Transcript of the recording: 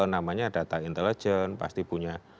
namanya data intelijen pasti punya